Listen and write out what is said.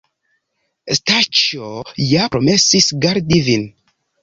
Staĉjo ja promesis gardi vin.